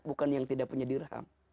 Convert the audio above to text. bukan yang tidak punya dirham